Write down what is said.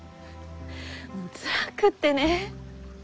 もうつらくってね。